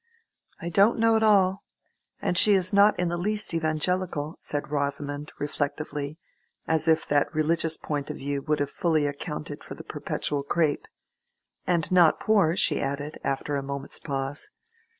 "I don't know at all. And she is not in the least evangelical," said Rosamond, reflectively, as if that religious point of view would have fully accounted for perpetual crape. "And, not poor," she added, after a moment's pause.